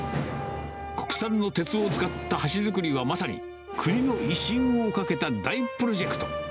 国産の鉄を使った橋作りはまさに、国の威信をかけた大プロジェクト。